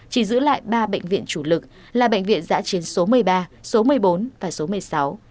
chỉ giữ lại ba bệnh viện chủ lực là bệnh viện giã chiến số một mươi ba số một mươi bốn và số một mươi sáu